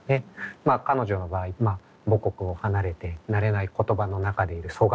まあ彼女の場合母国を離れて慣れない言葉の中でいる疎外感がすごく大きい。